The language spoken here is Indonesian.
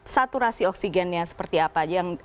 saturasi oksigennya seperti apa